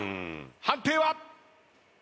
判定は？